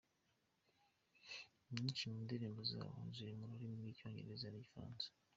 Inyinshi mu ndirimbo zabo ziri mu rurimi rw’Icyongereza n’Igifaransa.